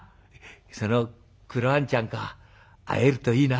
そのクロあんちゃんか会えるといいな。